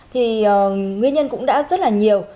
thì nguyên nhân cũng đã rất là nhiều